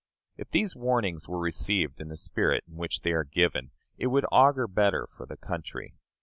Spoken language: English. If these warnings were received in the spirit in which they are given, it would augur better for the country.